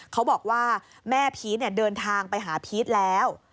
เขาบอกว่าแม่พีชเดินทางไปหาพีชแล้ว